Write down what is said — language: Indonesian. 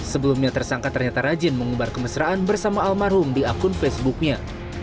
sebelumnya tersangka ternyata rajin mengubar kemesraan bersama almarhum di akun facebooknya